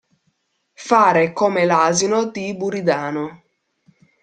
Fare come l'asino di Buridano.